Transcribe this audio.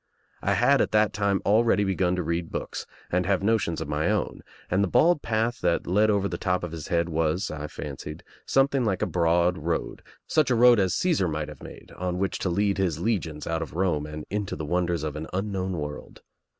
I had at that time already begun to read books and have notions of my own and the bald path that led over the top of his head was, I fancied, something like a broad road, such a road as Caesar might have made on which to lead his legions 'i .out of Rome and into the wonders of an unknown world.